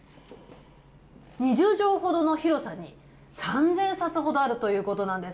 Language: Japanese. ２０畳ほどの広さに３０００冊ほどあるということなんです。